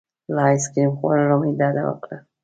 له ایس کریم خوړلو مې ډډه وکړه.